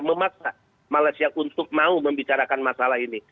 memaksa malaysia untuk mau membicarakan masalah ini